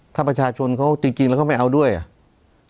ถ้าประชาชนเขาจริงแล้วเขาไม่เอาด้วยอ่ะ